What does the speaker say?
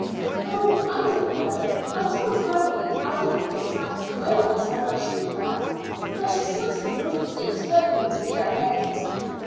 "Oh, I don't know. I told granny I did not exactly know what time I should be back, but she certainly wouldn't expect me to be out late."